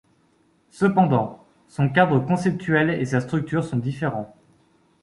Cependant, son cadre conceptuel et sa structure sont différents.